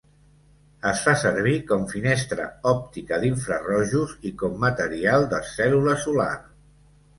Es fa servir com finestra òptica d'infrarojos i com material de cèl·lula solar.